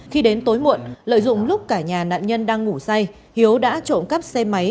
khi đến tối muộn lợi dụng lúc cả nhà nạn nhân đang ngủ say hiếu đã trộm cắp xe máy